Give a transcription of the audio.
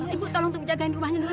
ibu tolong jagain rumahnya dulu ya